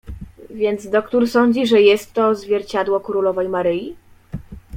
"Więc doktór sądzi, że jest to zwierciadło królowej Maryi?"